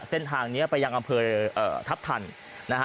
เส้นทางนี้ไปยังอำเภอทัพทันนะฮะ